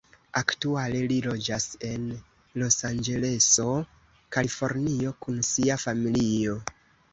Aktuale li loĝas en Losanĝeleso, Kalifornio kun sia familio.